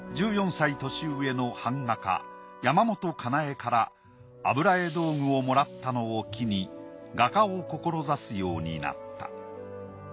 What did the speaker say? １４歳年上の版画家山本鼎から油絵道具をもらったのを機に画家を志すようになった。